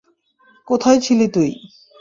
কোথায় ছিলি তুই?